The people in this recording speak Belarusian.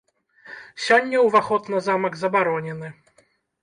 Сёння ўваход на замак забаронены.